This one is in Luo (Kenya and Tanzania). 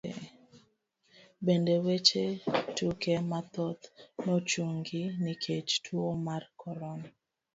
Bende, weche tuke mathoth nochungi nikech tuo mar korona.